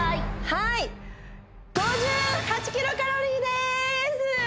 はい５８キロカロリーです！